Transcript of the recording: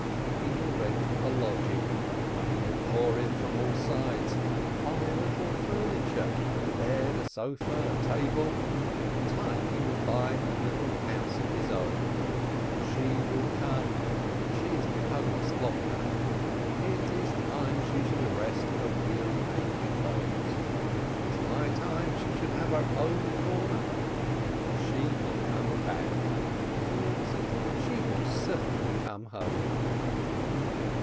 He will rent a lodging (money will pour in from all sides) — buy a little furniture: a bed, a sofa, a table — in time he will buy a little house of his own — she will come, she has been homeless long enough — it is time she should rest her weary, aching bones — it is high time she should have her own corner ! She will come back, he feels it, she will certainly come home!